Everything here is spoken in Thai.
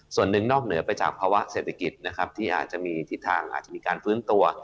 ส่วนหนึ่งนอกเหนือไปจากภาวะเศรษฐกิจนะครับที่อาจจะมีทิศทางอาจจะมีการฟื้นตัว